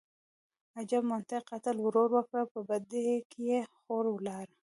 _اجب منطق، قتل ورور وکړ، په بدۍ کې يې خور لاړه.